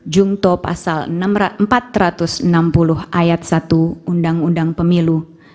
jungto pasal empat ratus enam puluh ayat satu undang undang pemilu